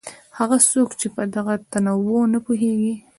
هغه څوک چې په دغه تنوع نه پوهېږي.